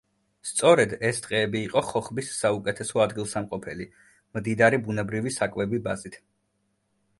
სწორედ, ეს ტყეები იყო ხოხბის საუკეთესო ადგილსამყოფელი მდიდარი ბუნებრივი საკვები ბაზით.